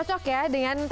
ini buang ke riesen daging